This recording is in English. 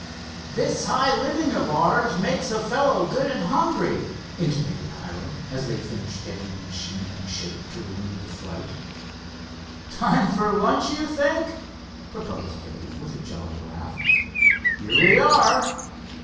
"This high living of ours makes and hungry," intimated Hiram, as they finished getting the machine in shape to renew the flight. "Time for lunch, you think?" proposed Dave with a jolly laugh. "Here we are."